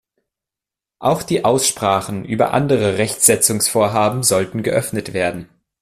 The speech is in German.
Auch die Aussprachen über andere Rechtsetzungsvorhaben sollen geöffnet werden.